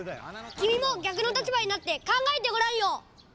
きみも逆の立場になってかんがえてごらんよ！